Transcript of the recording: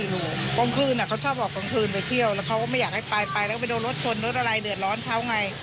กลางคืนเขาชอบออกกลางคืนไปเที่ยวแล้วเขาก็ไม่อยากให้ไปไปแล้วก็ไปโดนรถชนรถอะไรเดือดร้อนเขาไง